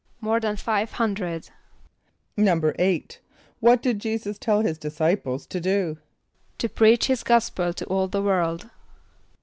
=More than five hundred.= =8.= What did J[=e]´[s+]us tell his disciples to do? =To preach his gospel to all the world.